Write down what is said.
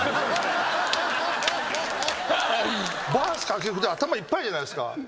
バース掛布で頭いっぱいじゃないですか。